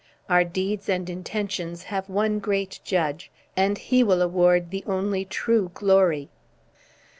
Our deeds and intentions have one great Judge, and He will award the only true glory."